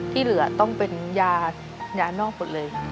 ที่เหลือต้องเป็นยานอกหมดเลย